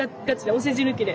お世辞抜きで。